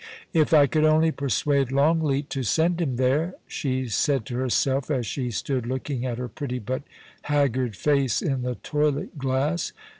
^ *If I could only persuade Longleat to send him there,' she said to herself as she stood looking at het pretty but haggard face in the toilet glass.